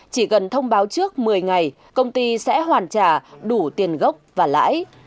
chỉ cần thông báo trước một mươi ngày công ty sẽ hoàn trả đủ tiền gốc và lãi